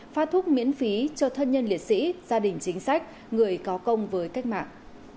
phát thuốc miễn phí cho thân nhân liệt sĩ gia đình chính sách người có công với cách mạng